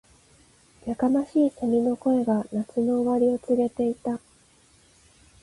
•やかましい蝉の声が、夏の終わりを告げていた。